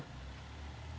nội dung là